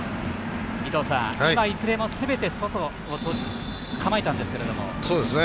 いずれも、すべて外構えたんですけれども。